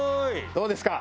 どうですか？